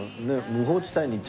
無法地帯。